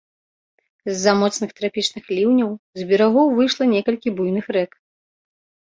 З-за моцных трапічных ліўняў з берагоў выйшла некалькі буйных рэк.